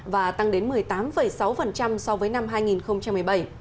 và tăng đến một mươi tám sáu so với năm hai nghìn một mươi bảy